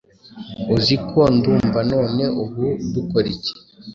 Uzi ko ndumva None ubu dukora iki?